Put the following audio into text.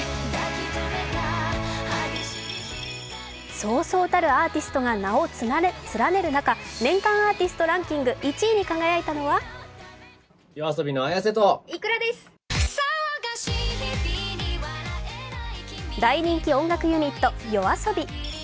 そうそうたるアーティストが名をつらねる中年間アーティストランキング１位に輝いたのは大人気音楽ユニットＹＯＡＳＯＢＩ。